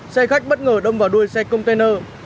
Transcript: xe khách bất ngờ đâm vào đuôi xe container